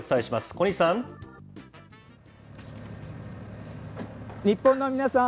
小西さん。